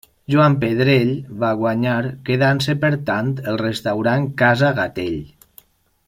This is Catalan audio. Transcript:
Joan Pedrell va guanyar quedant-se, per tant, el restaurant Casa Gatell.